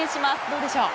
どうでしょう？